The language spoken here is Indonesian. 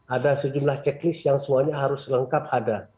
ada sejumlah checklist yang semuanya harus lengkap ada